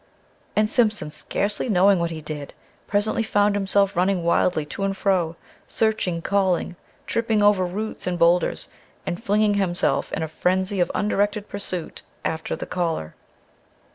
And Simpson, scarcely knowing what he did, presently found himself running wildly to and fro, searching, calling, tripping over roots and boulders, and flinging himself in a frenzy of undirected pursuit after the Caller.